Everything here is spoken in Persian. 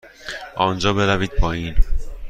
آنجا بروید پایین.